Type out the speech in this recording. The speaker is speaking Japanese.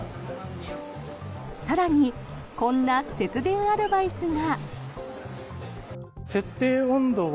更にこんな節電アドバイスが。